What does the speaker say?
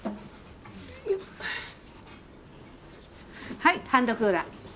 はいハンドクーラー。